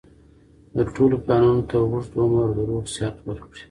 د ټولو پلانونو ته اوږد عمر د روغ صحت ورکړي